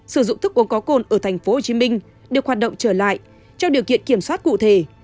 sử dụng thức uống có cồn ở tp hcm được hoạt động trở lại trong điều kiện kiểm soát cụ thể